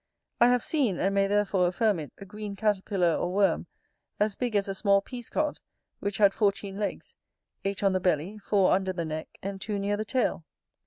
I have seen, and may therefore affirm it, a green caterpillar, or worm, as big as a small peascod, which had fourteen legs; eight on the belly, four under the neck, and two near the tail.